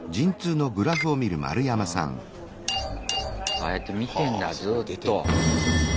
ああやって見てんだずっと。